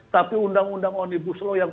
tapi undang undang onibuslo yang